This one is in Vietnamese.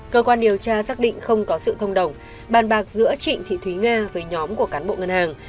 cơ quan điều tra xác định không có sự thông đồng bàn bạc giữa trịnh thị thúy nga với nhóm của cán bộ ngân hàng